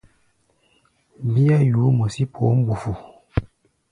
Bíá yuú mɔ sí poó mbufu.